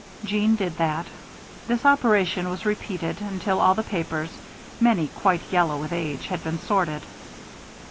Jeanne did that. This operation was repeated until all the papers, many quite yellow with age, had been sorted.